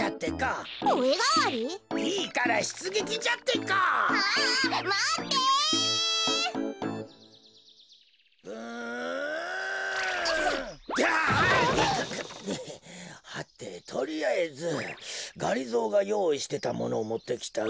こころのこえはてとりあえずがりぞーがよういしてたものをもってきたが。